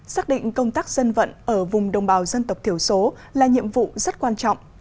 xác định công tác dân vận ở vùng đồng bào dân tộc thiểu số là nhiệm vụ rất quan trọng